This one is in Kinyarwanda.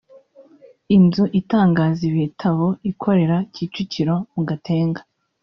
inzu itangaza ibitabo ikorera Kicukiro mu Gatenga